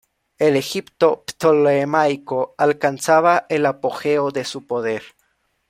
El Egipto ptolemaico alcanzaba el apogeo de su poder.